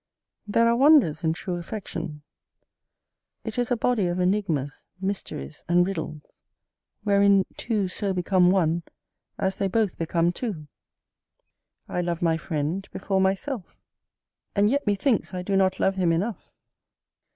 There are wonders in true affection. It is a body of enigmas, mysteries, and riddles; wherein two so become one as they both become two: I love my friend before myself, and yet, methinks, I do not love him enough.